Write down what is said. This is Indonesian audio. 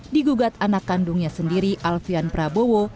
digugat anak kandungnya sendiri alfian prabowo